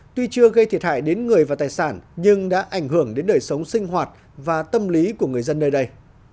tuy chưa gây thiệt hại đến người và tài sản nhưng đã ảnh hưởng đến đời sống sinh hoạt và tâm lý của người dân nơi đây